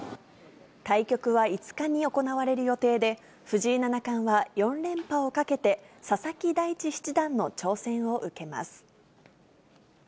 対局は５日に行われる予定で、藤井七冠は４連覇をかけて、佐々木大地七段の挑戦を受けます。